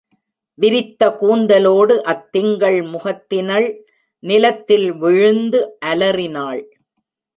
விரித்த கூந்தலோடு அத் திங்கள் முகத்தினள் நிலத்தில் விழுந்து அலறினாள்.